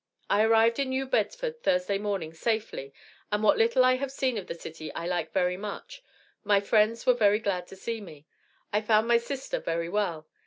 I arrived in New Bedford Thursday morning safely and what little I have seen of the city I like it very much my friends were very glad to see me. I found my sister very well.